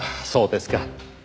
そうですか。